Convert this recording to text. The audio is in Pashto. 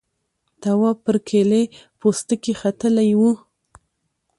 تواب پر کيلې پوستکي ختلی و.